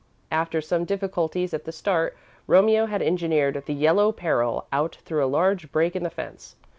After some difficulties at the start, Romeo had engineered "The Yellow Peril" out through a large break in the fence.